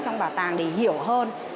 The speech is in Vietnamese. trong bảo tàng để hiểu hơn